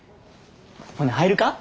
ほな入るか？